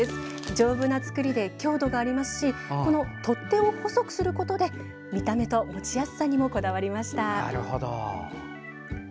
丈夫な作りで強度もありますし取っ手を細くすることで見た目と持ちやすさにもこだわりました。